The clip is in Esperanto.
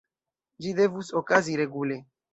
Ĝi devus okazi regule.